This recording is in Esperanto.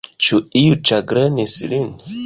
Ĉu iu ĉagrenis lin?